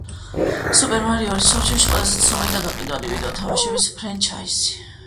Super Mario არის მსოფლიოში ყველაზე ცნობილი და გაყიდვადი ვიდეო თამაშების ფრენჩაიზი